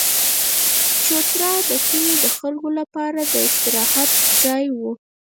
چوتره د کلي د خلکو لپاره د استراحت ځای وو.